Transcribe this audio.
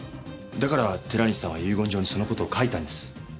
だから寺西さんは遺言状にその事を書いたんです。